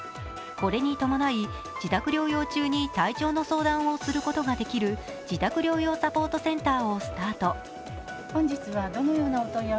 これに伴い、自宅療養中に体調の相談をすることができる自宅療養サポートセンターをスタート。